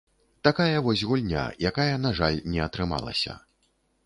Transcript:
Такая вось гульня, якая, на жаль, не атрымалася.